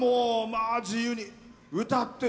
まあ自由に歌って。